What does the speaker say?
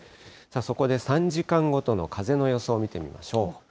そこで３時間ごとの風の予想を見てみましょう。